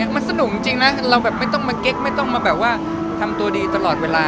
มันสนุกจริงนะเราแบบไม่ต้องมาเก๊กไม่ต้องมาแบบว่าทำตัวดีตลอดเวลา